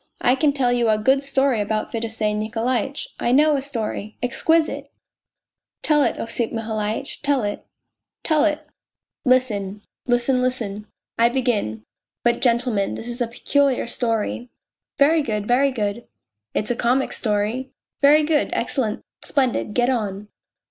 I can tell you a good story about Fedosey Nikolaitch ! I know a story exquisite !"" Tell it, Osip Mihalitch, tell it." " Tell it." " Listen." " Listen, listen." " I begin; but, gentlemen, this is a peculiar story. ..."" Very good, very good." " It's a comic story." " Very good, excellent, splendid. Get on